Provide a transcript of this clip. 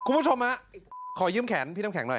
คุณผู้ชมฮะขอยืมแขนพี่น้ำแข็งหน่อย